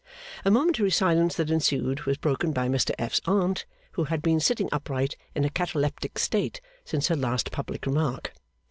A momentary silence that ensued was broken by Mr F.'s Aunt, who had been sitting upright in a cataleptic state since her last public remark.